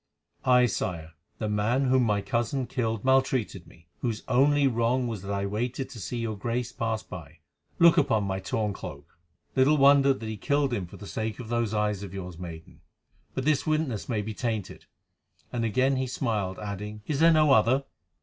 "Aye, Sire. The man whom my cousin killed maltreated me, whose only wrong was that I waited to see your Grace pass by. Look on my torn cloak." "Little wonder that he killed him for the sake of those eyes of yours, maiden. But this witness may be tainted." And again he smiled, adding, "Is there no other?"